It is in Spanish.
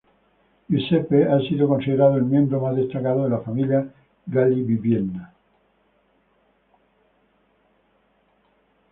Giuseppe ha sido considerado el miembro más destacado de la familia Galli-Bibbiena.